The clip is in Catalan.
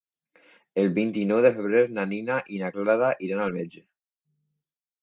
El vint-i-nou de febrer na Nina i na Clara iran al metge.